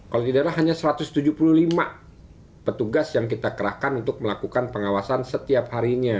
kalau tidak salah hanya satu ratus tujuh puluh lima petugas yang kita kerahkan untuk melakukan pengawasan setiap harinya